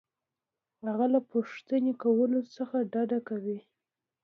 هغه له پوښتنې کولو څخه ډډه کوي.